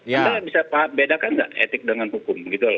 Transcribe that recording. anda bisa bedakan tidak etik dengan hukum